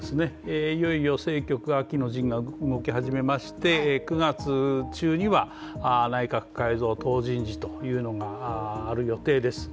いよいよ政局、秋の陣が動きまして９月中には内閣改造・党人事というのがある予定です。